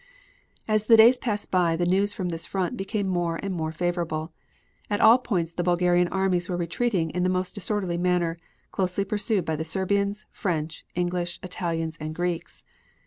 As the days passed by the news from this front became more and more favorable. At all points the Bulgarian armies were retreating in the most disorderly manner, closely pursued by the Serbians, French, English, Italians, and Greeks.